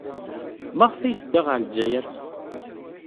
Maɣef ay tedda ɣer Lezzayer?